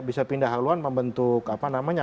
bisa pindah haluan membentuk apa namanya